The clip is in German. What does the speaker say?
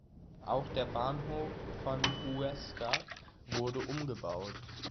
Auch der Bahnhof von Huesca wurde umgebaut.